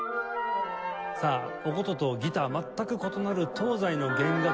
さあお箏とギター全く異なる東西の弦楽器